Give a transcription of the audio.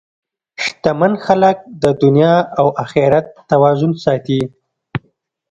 شتمن خلک د دنیا او اخرت توازن ساتي.